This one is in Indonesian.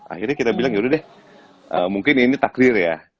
akhirnya kita bilang yaudah deh mungkin ini takdir ya